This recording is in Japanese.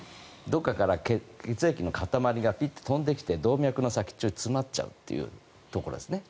どこかから血液の塊がピッと飛んできて動脈の先っちょに詰まっちゃうということですね。